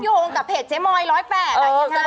แต่ว่ามีการเชื่อมโยงกับเพจเจ๊มอย๑๐๘